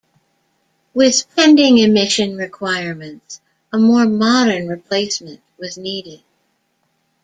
With pending emission requirements, a more modern replacement was needed.